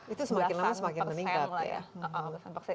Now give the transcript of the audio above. itu semakin lama semakin meningkat lah ya